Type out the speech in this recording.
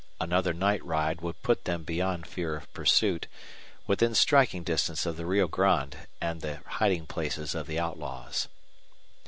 Another night ride would put them beyond fear of pursuit, within striking distance of the Rio Grande and the hiding places of the outlaws.